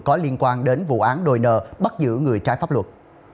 có liên quan đến vụ án đòi nợ bắt giữ người trái pháp luật